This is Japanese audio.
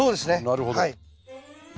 なるほど。